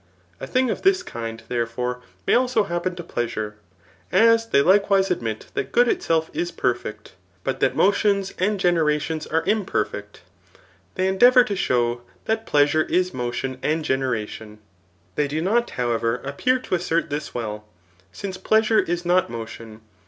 A thing of this kind, therefore, may also happen to pleasure. As they likewise admit that good itself is perfect, but that motions and genera Digitized by Google 374 THE NICOMACHEAN BOOK X dons are imperfect, they endeavour to show that pleasure is motion and generation. They do not, however, ap pear to assert this well, since pleasure is not motion.